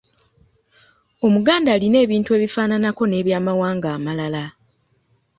Omuganda alina ebintu ebifaananako n'eby'amawanga amalala.